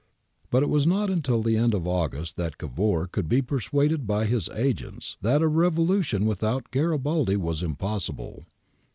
"^ But it was not until the end of August that Cavour could be persuaded by his agents that a revolution without Garibaldi was impossible.